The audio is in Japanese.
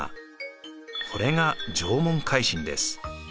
これが縄文海進です。